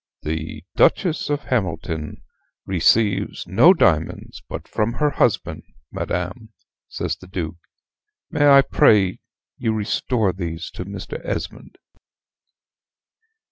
"The Duchess of Hamilton receives no diamonds but from her husband, madam," says the Duke "may I pray you to restore these to Mr. Esmond?"